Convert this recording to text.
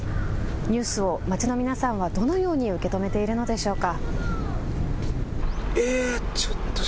ニュースを街の皆さんはどのように受け止めているのでしょうか。